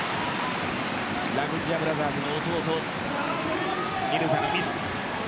ラグンジヤブラザーズの弟ミルザのミス。